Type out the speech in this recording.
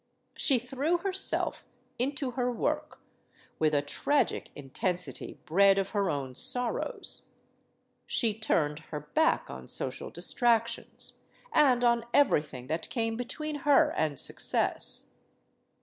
She threw herself into her work with a tragic intensity bred of her own sorrows. She turned hei back on social distractions, and on everything that came between her and success.